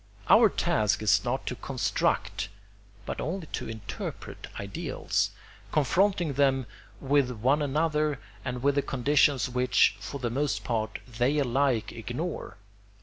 Our task is not to construct but only to interpret ideals, confronting them with one another and with the conditions which, for the most part, they alike ignore.